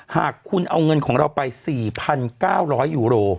หากคุณเอาเงินของเราไป๔๙๐๐ยูโร